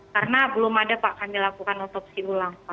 karena belum ada pak kami lakukan otopsi ulang pak